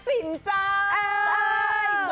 อีสานนครสินจ้า